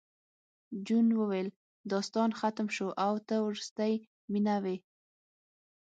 جون وویل داستان ختم شو او ته وروستۍ مینه وې